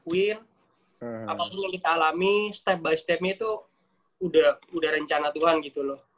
apapun yang kita alami step by step nya itu udah rencana tuhan gitu loh